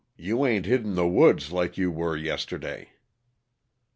you ain't hid in the woods like you were yesterday."